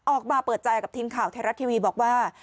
ออกมาเปิดใจกับทีมข่าวไทยรัฐทีวีบอกว่า